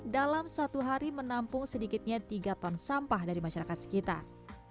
dalam satu hari menampung sedikitnya tiga ton sampah dari masyarakat sekitar